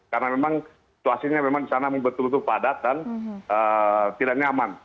karena memang situasinya di sana betul betul padat dan tidak nyaman